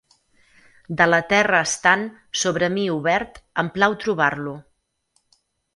De la terra estant, sobre mi obert, em plau trobar-lo.